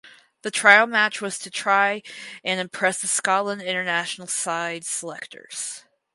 This trial match was to try and impress the Scotland international side selectors.